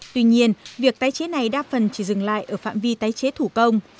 tuy nhiên việc tái chế này đa phần chỉ dừng lại ở phạm vi tái chế thủ công